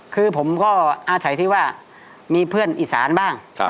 คือผมก็อาศัยที่ว่ามีเพื่อนอีสานบ้าง